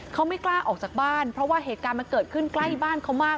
เขาไม่กล้าออกจากบ้านเพราะว่าเหตุการณ์มันเกิดขึ้นใกล้บ้านเขามาก